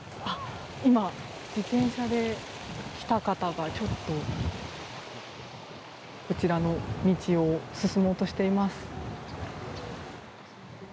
今、自転車で来た方がちょっとこちらの道を進もうとしています。